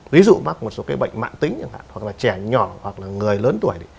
ví dụ mắc một số cái bệnh mạng tính hoặc là trẻ nhỏ hoặc là người lớn tuổi